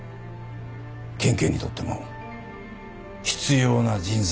県警にとっても必要な人材だってね。